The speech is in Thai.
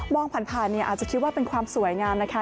มองผ่านอาจจะคิดว่าเป็นความสวยงามนะคะ